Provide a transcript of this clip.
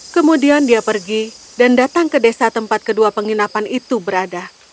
kemudian dia pergi dan datang ke desa tempat kedua penginapan itu berada